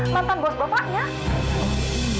mantan bos bapaknya